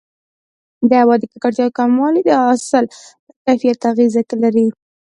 د هوا د ککړتیا کموالی د حاصل پر کیفیت مثبت اغېز لري.